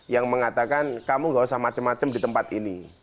yang mengatakan kamu gak usah macem macem di tempat ini